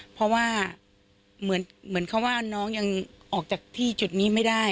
เพราะว่าเหมือนเขาว่าน้องยังออกจากที่จุดนี้ไม่ได้